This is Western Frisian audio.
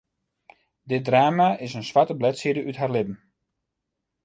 Dit drama is in swarte bledside út har libben.